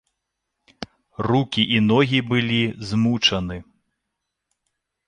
Рукі і ногі былі змучаны.